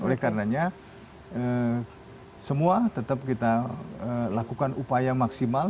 oleh karenanya semua tetap kita lakukan upaya maksimal